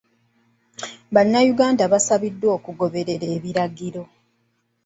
Bannayuganda baasabiddwa okugoberera ebiragiro.